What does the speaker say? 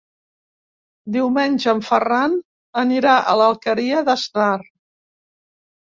Diumenge en Ferran anirà a l'Alqueria d'Asnar.